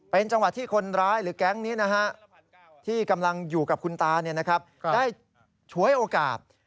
เป็นจังหวะที่คนร้ายหรือแก๊งนี้นะฮะ